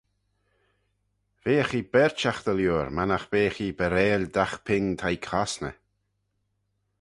Veagh ee berçhagh dy liooar mannagh beagh ee baarail dagh ping t'ee cosney.